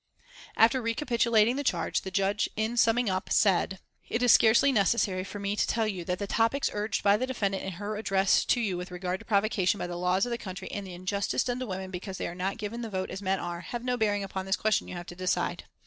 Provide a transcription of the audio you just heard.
After recapitulating the charge the Judge, in summing up, said: "It is scarcely necessary for me to tell you that the topics urged by the defendant in her address to you with regard to provocation by the laws of the country and the injustice done to women because they are not given the vote as men are, have no bearing upon the question you have to decide.